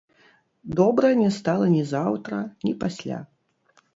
Добра не стала ні заўтра, ні пасля.